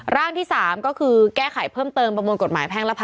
ร่างที่๓ก็คือแก้ไขเพิ่มเติมประมวลกฎหมายแพ่งละ๑๐